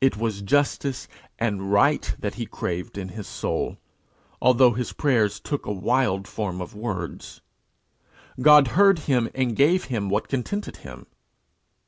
It was justice and right that he craved in his soul, although his prayers took a wild form of words. God heard him, and gave him what contented him.